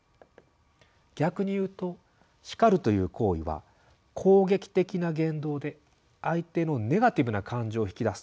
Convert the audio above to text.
逆に言うと「叱る」という行為は攻撃的な言動で相手のネガティブな感情を引き出す。